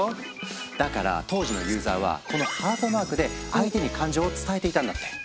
だから当時のユーザーはこのハートマークで相手に感情を伝えていたんだって。